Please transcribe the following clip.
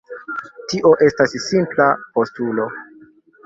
Tio estas simpla postulo.